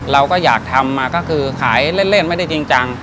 เราก็อยากทำมาก็คือขายเล่นไม่ได้จริงจัง